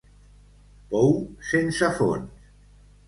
Pou sense fons.